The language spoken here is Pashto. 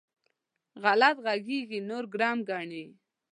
غلط غږېږي؛ نور ګرم ګڼي.